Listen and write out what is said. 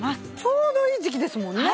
ちょうどいい時期ですもんね。